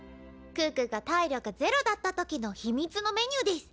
可可が体力ゼロだった時の秘密のメニューです。